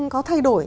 có thay đổi